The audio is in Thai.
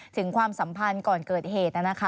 ถึงความสัมพันธ์ก่อนเกิดเหตุนะคะ